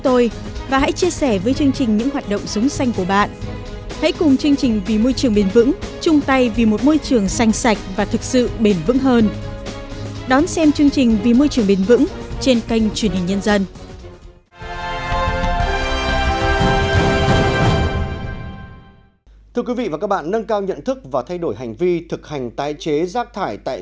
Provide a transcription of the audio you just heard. thưa quý vị và các bạn nâng cao nhận thức và thay đổi hành vi thực hành tái chế rác thải tại